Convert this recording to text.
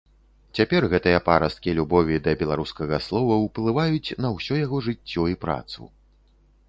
Цяпер гэтыя парасткі любові да беларускага слова ўплываюць на ўсё яго жыццё і працу.